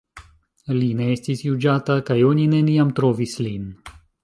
Li ne estis juĝata kaj oni neniam trovis lin.